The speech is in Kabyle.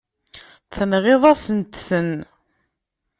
Tenɣiḍ-asent-ten.